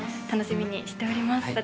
楽しみにしております